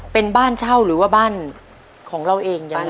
เป็นบ้านเช่าหรือว่าบ้านของเราเองยาย